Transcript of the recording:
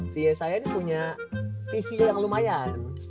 si yesaya ini punya visi yang lumayan